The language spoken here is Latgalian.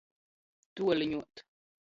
Tuoliņuot.